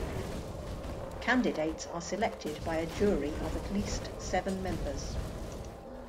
Candidates are selected by a jury of at least seven members.